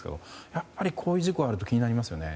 やっぱりこういう事故があると気になりますよね。